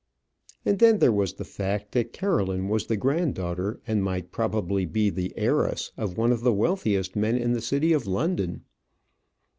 And then there was the fact that Caroline was the granddaughter, and might probably be the heiress, of one of the wealthiest men in the city of London.